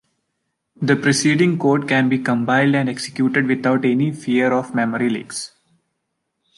The preceding code can be compiled and executed without any fear of memory leaks.